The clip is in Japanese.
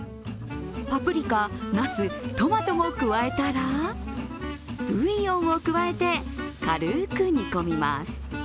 パプリカ、なす、トマトも加えたら、ブイヨンを加えて軽く煮込みます。